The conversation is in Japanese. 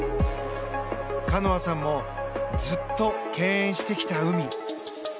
カノアさんもずっと敬遠してきた海。